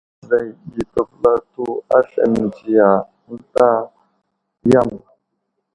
Bəza yo ɗi təvelato aslam mənziya ənta yam.